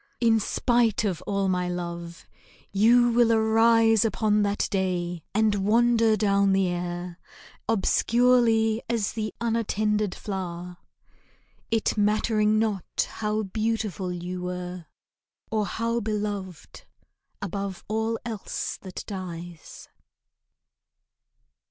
In spite of all my love, you will arise Upon that day and wander down the air Obscurely as the unattended flower, It mattering not how beautiful you were, Or how beloved above all else that dies.